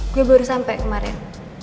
gue baru sampe kemaren